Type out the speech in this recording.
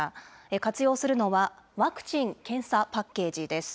活用するのは、ワクチン・検査パッケージです。